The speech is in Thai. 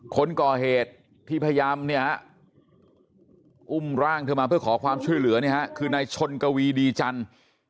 คนก่อเหตุที่พยายามเนี่ยอุ้มร่างเธอมาเพื่อขอความช่วยเหลือคือนายชนกวีดีจันทร์